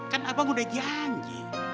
kan abang udah janji